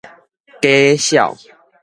假痟